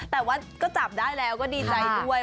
แต่ว่าก็จับได้แล้วก็ดีใจด้วย